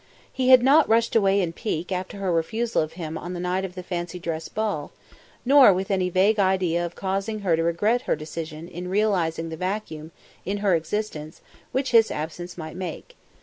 He had not rushed away in pique after her refusal of him on the night of the fancy dress ball; nor with any vague idea of causing her to regret her decision in realising the vacuum, in her existence which his absence might make.